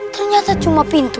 ternyata cuma pintu